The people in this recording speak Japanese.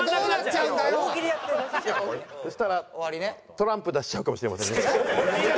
そしたらトランプ出しちゃうかもしれません。